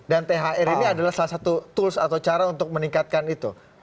dan thr ini adalah salah satu tools atau cara untuk meningkatkan itu